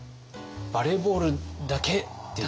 「バレーボールだけ！」っていう。